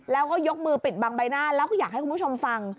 แล้วก็ยกมือปิดบังใบหน้าแล้วก็อยากให้คุณผู้ชมฟัง